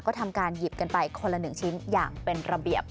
ก็ทำการหยิบกันไปคนละ๑ชิ้นอย่างเป็นระเบียบ